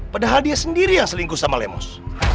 padahal dia sendiri yang selingkuh sama lemos